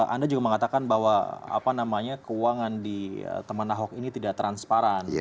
anda juga mengatakan bahwa keuangan di teman ahok ini tidak transparan